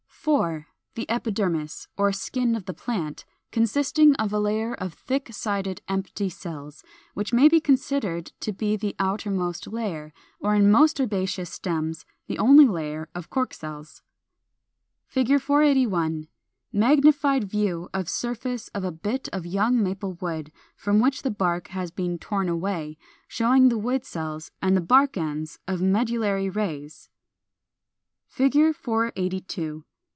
4. The EPIDERMIS, or skin of the plant, consisting of a layer of thick sided empty cells, which may be considered to be the outermost layer, or in most herbaceous stems the only layer, of cork cells. [Illustration: Fig. 481. Magnified view of surface of a bit of young Maple wood from which the bark has been torn away, showing the wood cells and the bark ends of medullary rays.] [Illustration: Fig. 482.